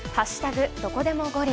どこでも五輪」。